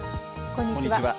こんにちは。